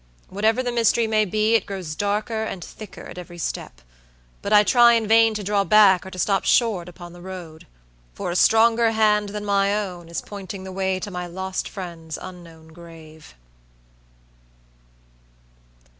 Whatever the mystery may be, it grows darker and thicker at every step; but I try in vain to draw back or to stop short upon the road, for a stronger hand than my own is pointing the way to my lost friend's unknown grave."